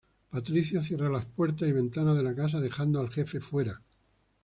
Patricia cierra las puertas y ventanas de la casa dejando al jefe afuera.